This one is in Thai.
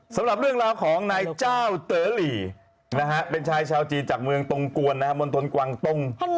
สำหรับเรื่องราวของนายเจ้าเต๋อหลีเป็นชายชาวจีนจากเมืองตรงกวนมณฑลกวังตรง